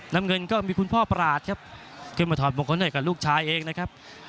น้ำเงินก็มีคุณพ่อปราศครับขึ้นมาถอดมงคลให้กับลูกชายเองนะครับ